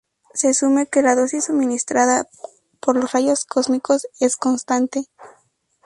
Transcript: Se asume que la dosis suministrada por los rayos cósmicos es constante.